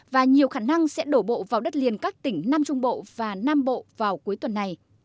và nhiều khả năng sẽ đổ bộ vào đất liền các tỉnh nam trung bộ và nam bộ vào cuối tuần này